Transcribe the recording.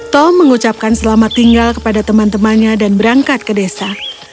tom mengucapkan selamat tinggal kepada teman temannya dan berangkat ke desa